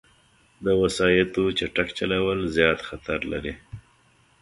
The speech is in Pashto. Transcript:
د وسايطو چټک چلول، زیاد خطر لري